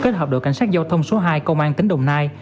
lập đội cảnh sát giao thông số hai công an tỉnh đồng nai